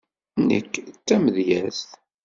Nekk d tamedyazt.